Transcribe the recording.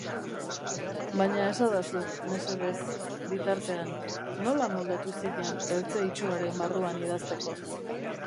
Baina esadazu, mesedez, bitartean, nola moldatu zinen eltzeitsuaren barruan idazteko?